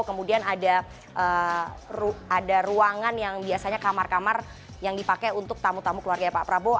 kemudian ada ruangan yang biasanya kamar kamar yang dipakai untuk tamu tamu keluarga pak prabowo